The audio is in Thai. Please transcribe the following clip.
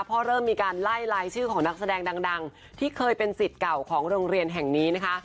เพราะเริ่มมีการไล่ลายชื่อของนักแสดงดังที่เคยเป็นสิทธิ์เก่าของโรงเรียนแห่งนี้นะคะ